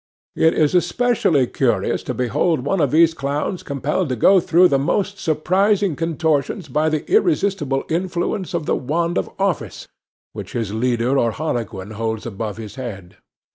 It is especially curious to behold one of these clowns compelled to go through the most surprising contortions by the irresistible influence of the wand of office, which his leader or harlequin holds above his head.